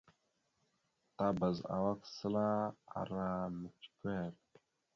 Tabaz awak səla ara micəkœr.